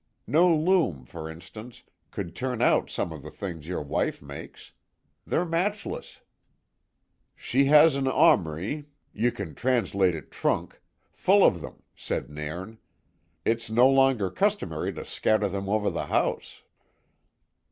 No loom, for instance, could turn out some of the things your wife makes. They're matchless." "She has an aumrie ye can translate it trunk full of them," said Nairn. "It's no longer customary to scatter them ower the house."